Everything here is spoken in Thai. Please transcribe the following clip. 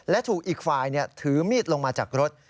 และถูกอีกฝ่ายถือมีดลงมาจากรถ